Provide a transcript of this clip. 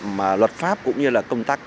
mà luật pháp cũng như là công tác